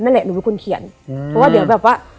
หนูเป็นคนเขียนเพราะว่าเดี๋ยวแบบว่า